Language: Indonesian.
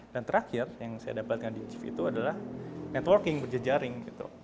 dan terakhir yang saya dapatkan di jiv itu adalah networking berjejaring